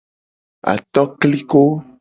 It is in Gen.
Atokliko.